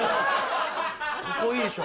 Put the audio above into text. ここいいでしょ？